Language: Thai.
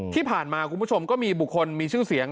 ที่ผ่านมาคุณผู้ชมก็มีบุคคลมีชื่อเสียง